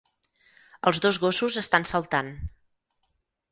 Els dos gossos estan saltant.